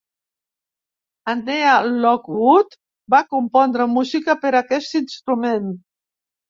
Annea Lockwood va compondre música per aquest instrument.